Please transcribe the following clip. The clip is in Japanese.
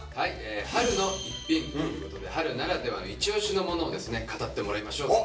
「春の逸品」ということで春ならではのいち押しのものをですね語ってもらいましょうと。